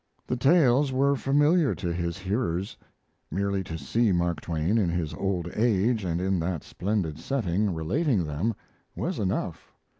The tales were familiar to his hearers; merely to see Mark Twain, in his old age and in that splendid setting, relating them was enough.